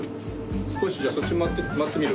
すこしじゃあそっちまわってみる？